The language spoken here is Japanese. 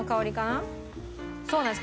そうなんです。